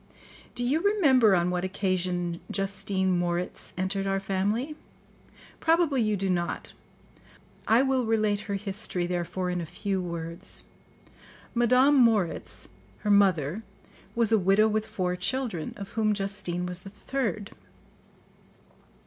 Do you remember on what occasion Justine Moritz entered our family? Probably you do not; I will relate her history, therefore in a few words. Madame Moritz, her mother, was a widow with four children, of whom Justine was the third.